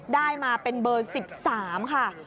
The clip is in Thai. ได้มาเป็นเบอร์๑๓ค่ะ